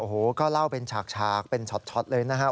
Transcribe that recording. โอ้โหก็เล่าเป็นฉากเป็นช็อตเลยนะครับ